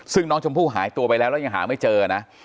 ซึ่งน้องชมพู่หายตัวไปแล้วแล้วยังหาไม่เจอนะ